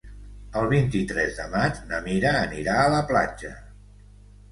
El vint-i-tres de maig na Mira anirà a la platja.